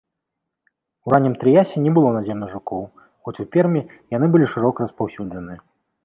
У раннім трыясе не было наземных жукоў, хоць у пермі яны былі шырока распаўсюджаныя.